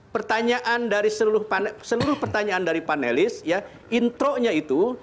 pertanyaan dari seluruh panelis intronya itu